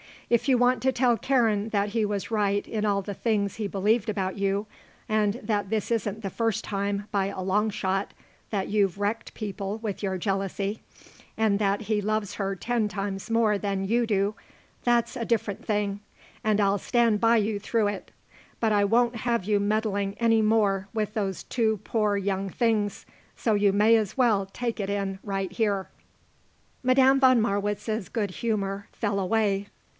If you want to tell Karen that he was right in all the things he believed about you and that this isn't the first time by a long shot that you've wrecked people with your jealousy, and that he loves her ten times more than you do, that's a different thing, and I'll stand by you through it. But I won't have you meddling any more with those two poor young things, so you may as well take it in right here." Madame von Marwitz's good humour fell away.